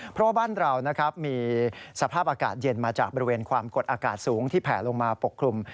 เพราะว่าบ้านเรานะครับมีสภาพอากาศเย็นมาจากบริเวณความกดอากาศสูงที่แผ่ลงมาปกคลุม